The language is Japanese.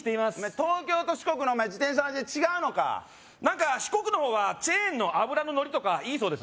東京と四国の自転車の味で違うのかなんか四国の方はチェーンの油ののりとかいいそうです